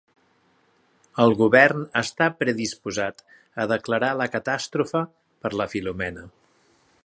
El govern està predisposat a declarar la catàstrofe per la Filomena.